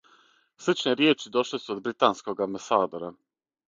Сличне ријечи дошле су од британског амбасадора.